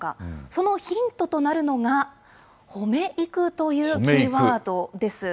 そのヒントとなるのが、ほめ育というキーワードです。